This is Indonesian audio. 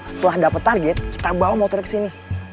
setelah dapet target kita bawa motornya ke sini